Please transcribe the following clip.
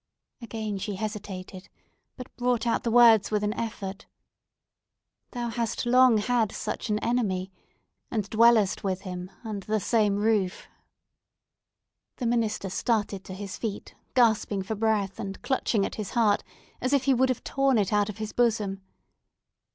Again she hesitated, but brought out the words with an effort.—"Thou hast long had such an enemy, and dwellest with him, under the same roof!" The minister started to his feet, gasping for breath, and clutching at his heart, as if he would have torn it out of his bosom.